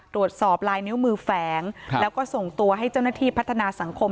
ตรวจสอบลายนิ้วมือแฝงแล้วก็ส่งตัวให้เจ้าหน้าที่พัฒนาสังคม